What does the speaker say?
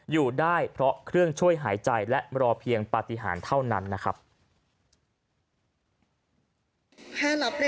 อยู่ได้เพราะเครื่องช่วยหายใจและรอเพียงปฏิหารเท่านั้นนะครับ